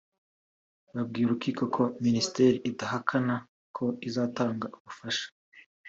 babwiye urukiko ko Minisiteri idahakana ko izatanga ubufasha